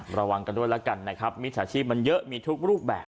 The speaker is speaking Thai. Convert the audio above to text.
ระวังกันด้วยแล้วกันนะครับมิจฉาชีพมันเยอะมีทุกรูปแบบ